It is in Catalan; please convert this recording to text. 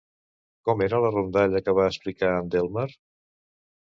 Com era la rondalla que va explicar en Delmar?